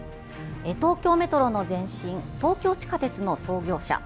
東京メトロの前身東京地下鉄の創業者。